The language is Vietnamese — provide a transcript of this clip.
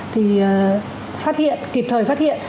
thì phát hiện kịp thời phát hiện